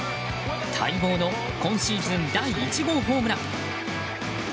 待望の今シーズン第１号ホームラン。